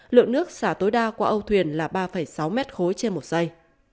lượng nước xả tối đa của âu thuyền là ba sáu m khối trên một giây